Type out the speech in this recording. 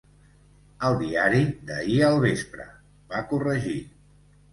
"El diari d'ahir al vespre", va corregir.